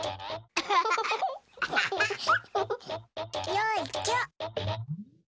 よいしょ。